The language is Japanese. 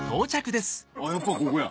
やっぱここや。